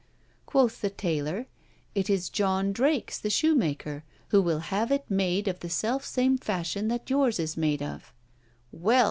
Quoth the taylor, it is John Drakes' the shoemaker, who will have it made of the self same fashion that yours is made of! 'Well!'